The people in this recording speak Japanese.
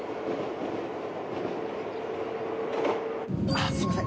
ああすいません。